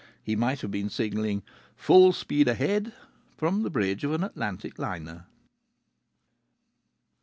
He might have been signalling "full speed ahead" from the bridge of an Atlantic liner.